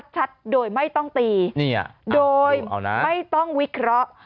ชัดโดยไม่ต้องตีโดยไม่ต้องวิเคราะห์